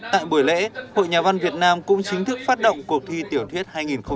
tại buổi lễ hội nhà văn việt nam cũng chính thức phát động cuộc thi tiểu thuyết hai nghìn một mươi bảy hai nghìn hai mươi